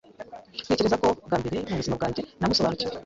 Ntekereza ko, bwa mbere mu buzima bwanjye, namusobanukiwe.